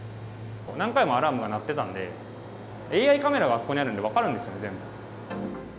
何回もアラームが鳴ってたんで、ＡＩカメラがあそこにあるんで、分かるんですよ、全部。